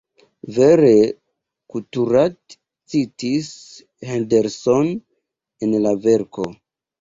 Vere Couturat citis Henderson en la verko.